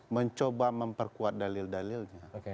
mencoba memperkuat dalil dalilnya